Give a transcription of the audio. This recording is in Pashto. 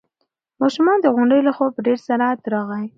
ماشوم د غونډۍ له خوا په ډېر سرعت راغی.